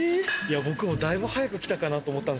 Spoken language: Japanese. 僕もだいぶ早く来たかなと思ったんですけど。